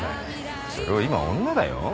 それを今は女だよ？